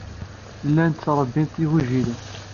Llant ttṛebbint igujilen.